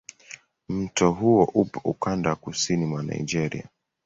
Mto huo upo ukanda wa kusini mwa Nigeria.